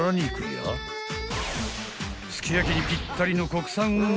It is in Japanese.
［すき焼きにぴったりの国産］